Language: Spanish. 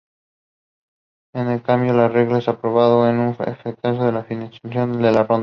Si el cambio de reglas es aprobado, entra en efecto al finalizar la ronda.